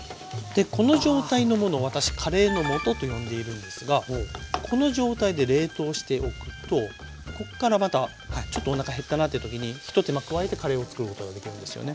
この状態のものを私「カレーの素」と呼んでいるんですがこの状態で冷凍しておくとこっからまたちょっとおなか減ったなっていう時にひと手間加えてカレーをつくることができるんですよね。